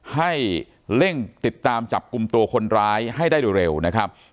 ให้เร่งติดตามจับกลุ่มตัวคนร้ายให้ได้โดยเร็วนะครับ